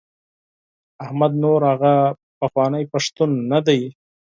احمد نور هغه پخوانی پښتون نه دی.